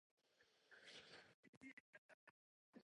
陈钢串串香